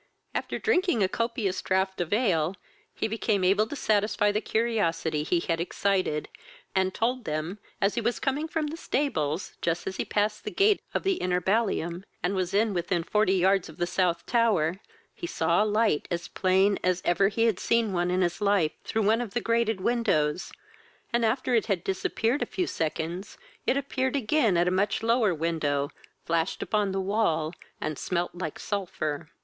After drinking a copious draught of ale, he became able to satisfy the curiosity he had excited, and told them, as he was coming from the stables, just as he passed the gate of the inner ballium, and was within forty yards of the South tower, he saw a light as plain as ever he had seen one in his life, through one of the grated windows, and, after it had disappeared a few seconds, it appeared again at a much lower window, flashed upon the wall, and smelt like sulphur.